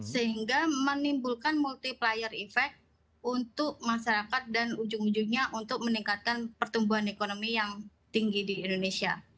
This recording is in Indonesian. sehingga menimbulkan multiplier effect untuk masyarakat dan ujung ujungnya untuk meningkatkan pertumbuhan ekonomi yang tinggi di indonesia